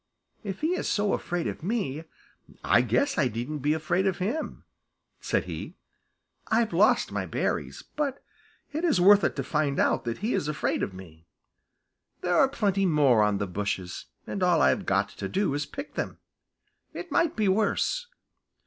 "If he is so afraid of me, I guess I needn't be afraid of him," said he. "I've lost my berries, but it is worth it to find out that he is afraid of me. There are plenty more on the bushes, and all I've got to do is to pick them. It might be worse."